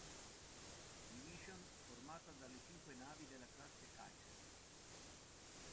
Division formata dalle cinque navi della classe Kaiser.